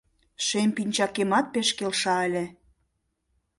Шем пинчакемат пешак келша ыле